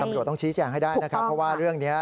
ตำรวจต้องชี้แจงให้ได้นะครับเพราะว่าเรื่องนี้